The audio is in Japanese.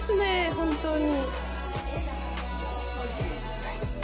本当に。